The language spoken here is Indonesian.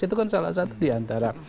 itu kan salah satu diantara